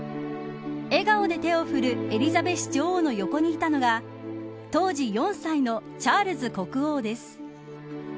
笑顔で手を振るエリザベス女王の横にいたのが当時４歳のチャールズ国王です。